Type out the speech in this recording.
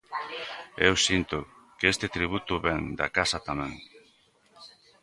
Eu sinto que este tributo vén da casa tamén.